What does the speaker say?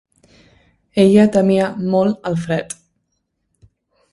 Ella temia molt el fred.